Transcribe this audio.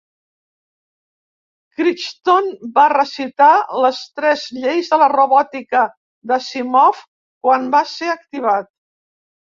Crichton va recitar les "Tres lleis de la robòtica" d'Asimov quan va ser activat.